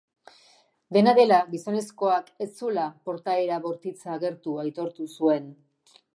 Dena dela, gizonezkoak ez zuela portaera bortitza agertu aitortu zuen.